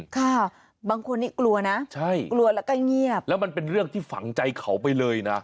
ค่ะบางคนนี้กลัวนะใช่กลัวแล้วก็เงียบแล้วมันเป็นเรื่องที่ฝังใจเขาไปเลยนะ